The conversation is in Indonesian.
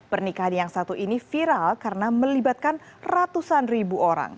pernikahan yang satu ini viral karena melibatkan ratusan ribu orang